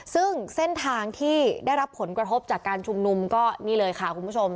ซึ่งเส้นทางที่ได้รับผลกระทบจากการชุมนุมก็นี่เลยค่ะคุณผู้ชม